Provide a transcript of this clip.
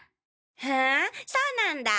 ふんそうなんだ。